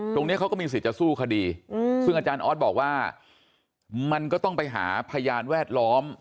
เขาก็มีสิทธิ์จะสู้คดีซึ่งอาจารย์ออสบอกว่ามันก็ต้องไปหาพยานแวดล้อม